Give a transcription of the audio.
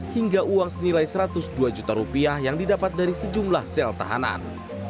hingga uang senilai satu ratus dua juta rupiah yang didapat dari sejumlah sel tahanan